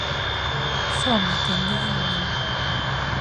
Só me atendía a min.